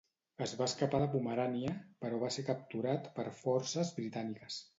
Es va escapar de Pomerània, però va ser capturat per forces britàniques.